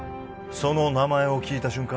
その名前を聞いた瞬間